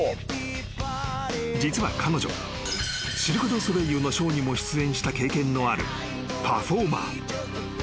［実は彼女シルク・ドゥ・ソレイユのショーにも出演した経験のあるパフォーマー］